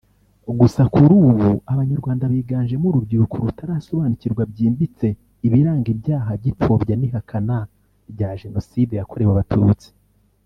Gusa kuri ubu Abanyarwanda biganjemo urubyiruko rutarasobanukirwa byimbitse ibiranga ibyaha by’ipfobya n’ihakana rya Jenoside yakorewe Abatutsi